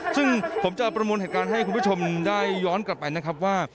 ซึ่งผมจะประมวลเหตุการณ์ให้คุณผู้ชมได้ย้อนกลับไปนะครับว่า